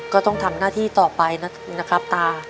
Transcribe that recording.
ก็ต้องทำหน้าที่ต่อไปนะครับตา